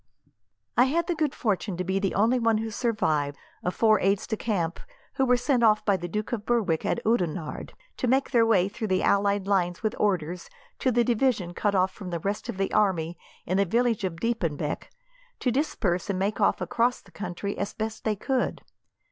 "I had the good fortune to be the only one who survived, of four aides de camp who were sent off by the Duke of Berwick, at Oudenarde, to make their way through the allied lines with orders, to the division cut off from the rest of the army in the village of Diepenbeck, to disperse and make off across the country, as best they could.